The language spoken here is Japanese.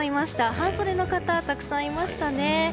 半袖の方、たくさんいましたね。